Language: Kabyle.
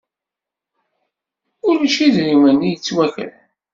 Ulac idrimen i yettwakren.